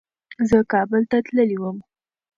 زه کابل ته تللی وم.